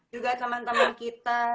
juga teman teman kita